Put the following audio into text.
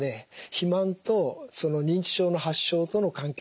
肥満と認知症の発症との関係